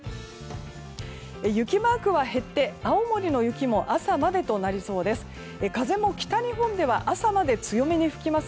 雪マークは減って、青森の雪も朝までとなりそうです。